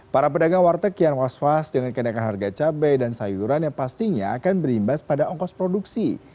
para pedagang warteg kian was was dengan kenaikan harga cabai dan sayuran yang pastinya akan berimbas pada ongkos produksi